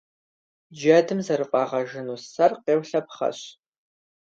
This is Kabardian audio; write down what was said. Джэдым зэрыфӀагъэжыну сэр къеулъэпхъэщ.